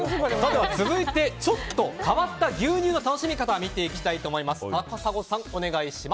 続いて、ちょっと変わった牛乳の楽しみ方を見ていきます。